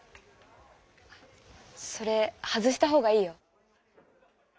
それ外した方がいいよ。